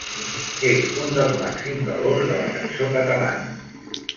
És un dels màxims valors de la cançó catalana.